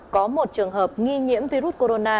có một trường hợp nghi nhiễm virus corona